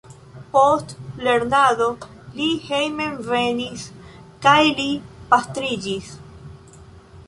Post lernado li hejmenvenis kaj li pastriĝis.